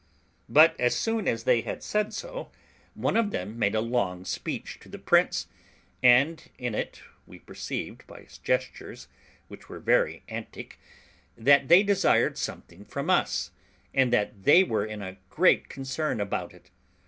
But as soon as they had said so, one of them made a long speech to the prince; and in it we perceived, by his gestures, which were very antic, that they desired something from us, and that they were in great concern about it.